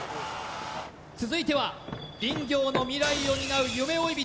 続いては林業の未来を担う夢追い人